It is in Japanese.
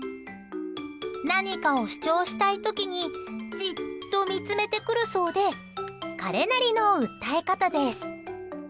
何かを主張したい時にじっと見つめてくるそうで彼なりの訴え方です。